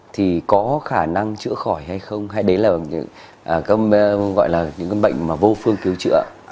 thì có khả năng chữa khỏi hay không hay đấy là những gọi là những bệnh mà vô phương cứu chữa